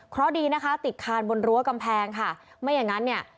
เพราะดีนะคะติดคานบนรั้วกำแพงค่ะไม่อย่างงั้นเนี่ย